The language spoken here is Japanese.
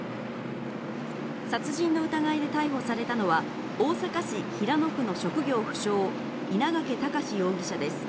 殺人の疑いで逮捕されたのは、大阪市平野区の職業不詳、稲掛躍容疑者です。